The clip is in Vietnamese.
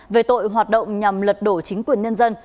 về tội hoạt động nhằm lật đổ chính quyền nhân dân